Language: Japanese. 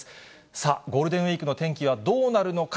さあ、ゴールデンウィークの天気はどうなるのか。